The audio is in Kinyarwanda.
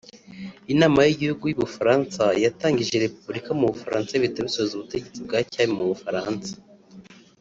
Inama y’igihugu y’ubufaransa yatangije repubulika mu bufaransa bihita bisoza ubutegetsi bwa cyami mu bufaransa